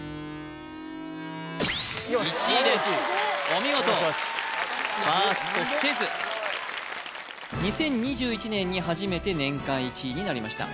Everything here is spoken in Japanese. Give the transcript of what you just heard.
お見事バーストせず２０２１年に初めて年間１位になりました